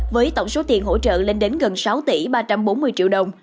với tổng số tiền hỗ trợ lên đến gần sáu tỷ ba trăm bốn mươi triệu đồng